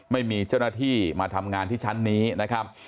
ไม่มีเจ้าหน้าที่มาทำงานที่ชั้นนี้นะครับ